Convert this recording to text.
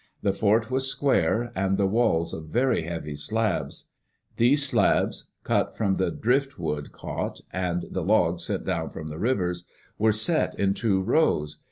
The fort was square, and the walls of very heavy slabs. These slabs, cut from the driftwood caught, and the logs sent down the rivers, were set in two rows.